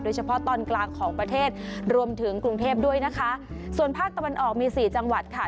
เฉพาะตอนกลางของประเทศรวมถึงกรุงเทพด้วยนะคะส่วนภาคตะวันออกมีสี่จังหวัดค่ะ